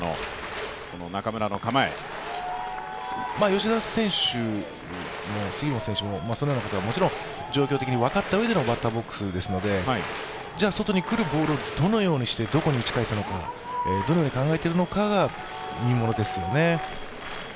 吉田選手も杉本選手も、そのようなことは状況的に分かったうえでのバッターボックスですので、じゃあ外に来るボールをどのようにしてどこに打ち返すのか、どのように考えているかが見ものですよね。